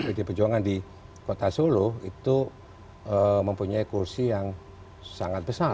jadi perjuangan di kota solo itu mempunyai kursi yang sangat besar